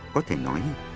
có thể nói